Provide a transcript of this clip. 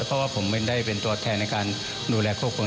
เพราะผมไม่ได้เป็นตัวแทนในการดูแลเข้าพลม